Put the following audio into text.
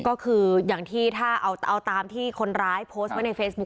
ก็คืออย่างที่ถ้าเอาตามที่คนร้ายโพสต์ไว้ในเฟซบุ๊